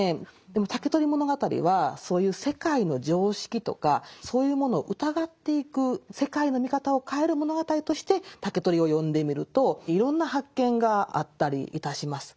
でも「竹取物語」はそういう世界の常識とかそういうものを疑っていく世界の見方を変える物語として「竹取」を読んでみるといろんな発見があったりいたします。